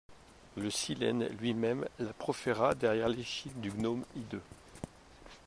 Le Silène lui-même la proféra derrière l'échine du gnome hideux.